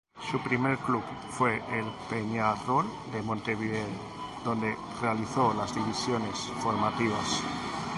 Su primer club fue el Peñarol de Montevideo donde realizó las divisiones formativas.